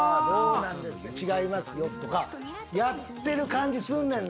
違いますよとかやってる感じすんねんな。